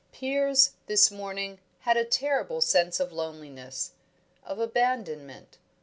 Piers, this morning, had a terrible sense of loneliness, of abandonment.